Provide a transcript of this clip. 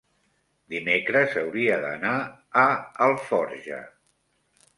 dimecres hauria d'anar a Alforja.